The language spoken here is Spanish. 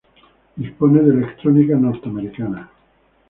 Dispone de electrónica norteamericana.